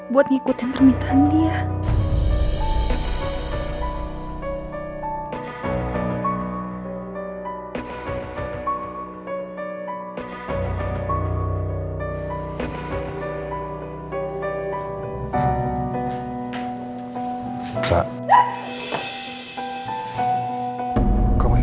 buat mengikuti permintaan dia